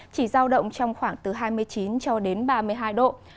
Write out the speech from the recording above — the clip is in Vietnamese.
chỉ giao động trong khoảng từ hai mươi chín cho đến ba mươi hai độ